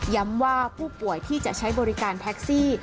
ว่าผู้ป่วยที่จะใช้บริการแท็กซี่